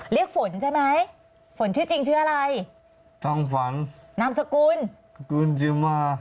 ฝนใช่ไหมฝนชื่อจริงชื่ออะไรทองฝังนามสกุลสกุลจิมา